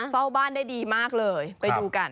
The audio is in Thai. เฝ้าบ้านได้ดีมากเลยไปดูกัน